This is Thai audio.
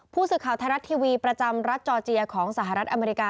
ผู้สื่อข่าวไทยรัฐทีวีประจำรัฐจอร์เจียของสหรัฐอเมริกา